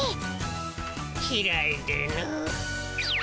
きらいでの。